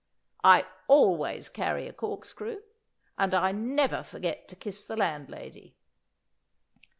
I always carry a corkscrew, and I never forget to kiss the landlady.